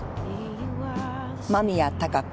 間宮貴子